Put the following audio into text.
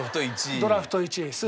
ドラフト１位。